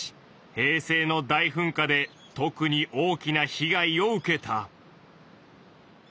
平成の大噴火で特に大きな被害を受けた。